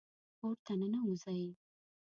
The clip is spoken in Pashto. کور ته ننوځئ